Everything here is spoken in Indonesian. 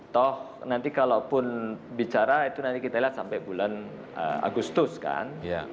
toh nanti kalau pun bicara itu nanti kita lihat sampai bulan agustus kan